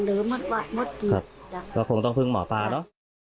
นะคะก็คงต้องพึ่งหมอปลาเนอะ